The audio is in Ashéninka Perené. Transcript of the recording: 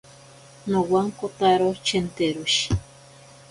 Nowankotaro chenteroshi.